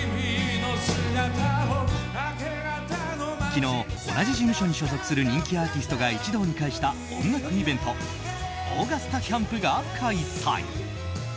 昨日、同じ事務所に所属する人気アーティストが一堂に会した音楽イベントＡｕｇｕｓｔａＣａｍｐが開催。